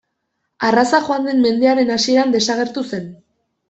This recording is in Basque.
Arraza joan den mendearen hasieran desagertu zen.